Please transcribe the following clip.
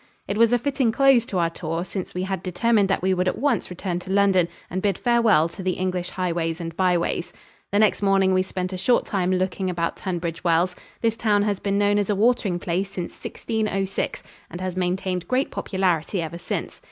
It was a fitting close to our tour, since we had determined that we would at once return to London and bid farewell to the English highways and byways. The next morning we spent a short time looking about Tunbridge Wells. This town has been known as a watering place since 1606 and has maintained great popularity ever since.